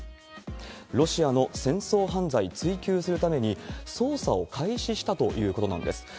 ロシアの戦争犯罪、追及するために、捜査を開始したということなんです。